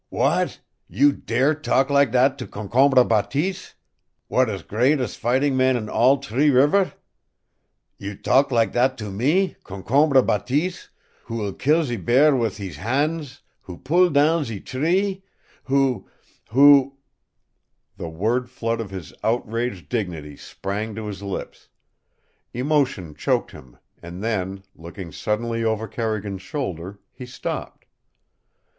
"What! You dare talk lak that to Concombre Bateese, w'at is great'st fightin' man on all T'ree River? You talk lak that to me, Concombre Bateese, who will kill ze bear wit' hees ban's, who pull down ze tree, who who " The word flood of his outraged dignity sprang to his lips; emotion choked him, and then, looking suddenly over Carrigan's shoulder he stopped.